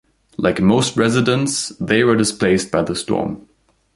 Like most residents, they were displaced by the storm.